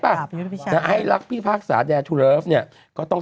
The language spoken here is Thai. ปราบยุทธพิชัยให้ลักษณ์พี่ภาคสาแดทูเลิฟเนี่ยก็ต้อง